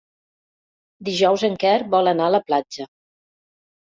Dijous en Quer vol anar a la platja.